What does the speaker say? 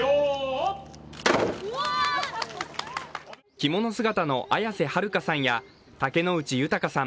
着物姿の綾瀬はるかさんや竹野内豊さん